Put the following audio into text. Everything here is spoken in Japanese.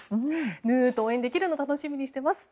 ヌートと応援できるのを楽しみにしています。